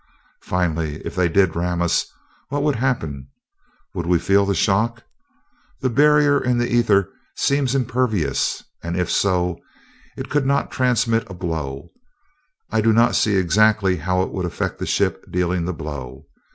Finally, if they did ram us, what would happen? Would we feel the shock? That barrier in the ether seems impervious, and if so, it could not transmit a blow. I do not see exactly how it would affect the ship dealing the blow.